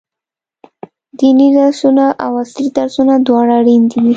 ديني درسونه او عصري درسونه دواړه اړين دي.